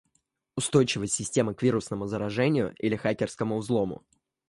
Устойчивость системы к вирусному заражению или хакерскому взлому